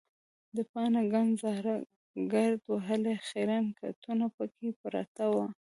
د باڼه ګڼ زاړه ګرد وهلي خیرن کټونه پکې پراته وو.